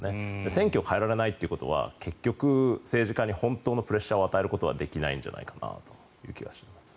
選挙を変えられないということは結局、政治家に本当のプレッシャーを与えることはできないんじゃないかなという気がします。